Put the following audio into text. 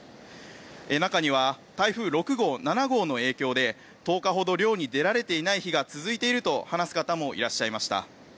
中には台風６号、７号の影響で１０日ほど漁に出られていない日が続いていると話す方もいらっしゃいました。